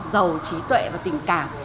giàu trí tuệ và tình cảm